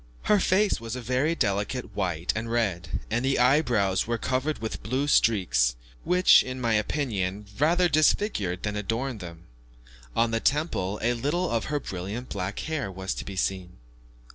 Her face was a very delicate white and red; and the eyebrows were covered with blue streaks, which, in my opinion, rather disfigured than adorned them. On the temple a little of her brilliant black hair was to be seen.